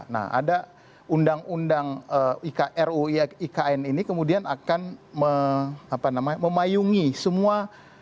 nah ada undang undang ruu ikn ini kemudian akan memayungi semua